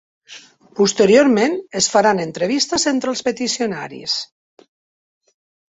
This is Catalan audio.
Posteriorment es faran entrevistes entre els peticionaris.